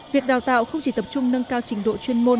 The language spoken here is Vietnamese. việc đào tạo không chỉ tập trung nâng cao trình độ chuyên môn